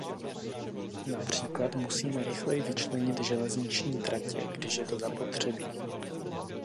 Například musíme rychleji vyčlenit železniční tratě, když je to zapotřebí.